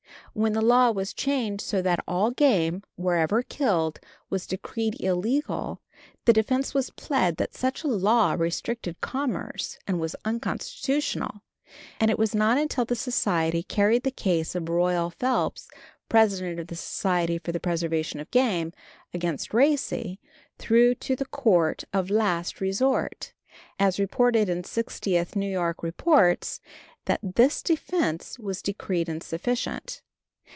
When the law was changed so that all game, wherever killed, was decreed illegal, the defense was plead that such a law restricted commerce and was unconstitutional; and it was not until the Society carried the case of Royal Phelps, President of the Society for the Preservation of Game, against Racey, through to the court of last resort, as reported in 60th New York Reports, that this defense was decreed insufficient.